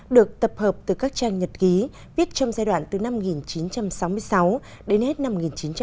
được tập hợp từ các trang nhật ký viết trong giai đoạn từ năm một nghìn chín trăm sáu mươi sáu đến hết năm một nghìn chín trăm tám mươi